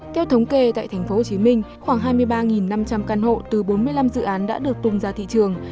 theo thống kê tại tp hcm khoảng hai mươi ba năm trăm linh căn hộ từ bốn mươi năm dự án đã được tung ra thị trường